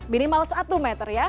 minimal satu meter ya